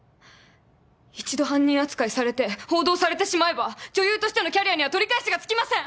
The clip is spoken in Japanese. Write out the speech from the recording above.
一度犯人扱いされて報道されてしまえば女優としてのキャリアには取り返しがつきません！